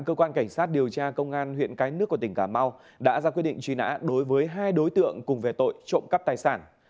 cơ quan cảnh sát điều tra công an huyện cái nước của tỉnh cà mau đã ra quyết định truy nã đối với hai đối tượng cùng về tội trộm cắp tài sản